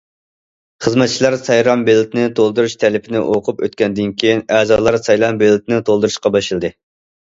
خىزمەتچىلەر سايلام بېلىتىنى تولدۇرۇش تەلىپىنى ئوقۇپ ئۆتكەندىن كېيىن، ئەزالار سايلام بېلىتىنى تولدۇرۇشقا باشلىدى.